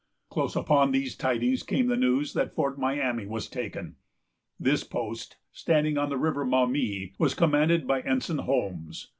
Close upon these tidings came the news that Fort Miami was taken. This post, standing on the River Maumee, was commanded by Ensign Holmes.